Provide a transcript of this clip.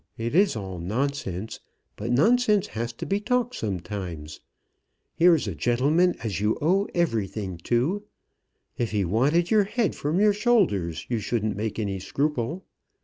It is all nonsense; but nonsense has to be talked sometimes. Here's a gentleman as you owe everything to. If he wanted your head from your shoulders, you shouldn't make any scruple.